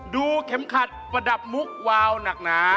เข็มขัดประดับมุกวาวหนักหนา